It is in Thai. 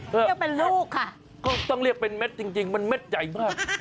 เรียกเป็นลูกค่ะก็ต้องเรียกเป็นเม็ดจริงมันเม็ดใหญ่มาก